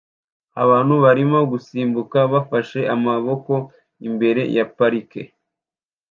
abantu barimo gusimbuka bafashe amaboko imbere ya parike